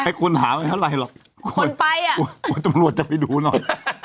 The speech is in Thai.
ให้คุณหาอะไรหรอกคนไปอ่ะคนจำรวจจะไปดูหน่อย